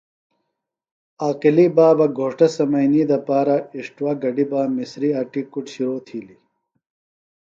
عاقلی بابہ گھوݜٹہ سمنئینی دپارہ اِݜٹوا گڈِیۡ بہ مسریۡ اٹیۡ کُڈ شرو تِھیلیۡ۔